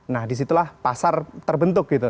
nah disitulah pasar terbentuk gitu